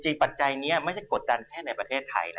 ปัจจัยนี้ไม่ใช่กดดันแค่ในประเทศไทยนะ